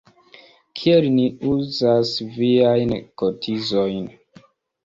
Kiel ni uzas viajn kotizojn?